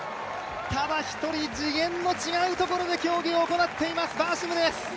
ただ一人次元の違うところで競技を行っています、バーシムです。